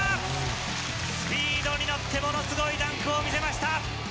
スピードに乗ってものすごいダンクを見せました。